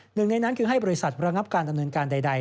หนึ่งในนั้นคือให้บริษัทระงับการดำเนินการใด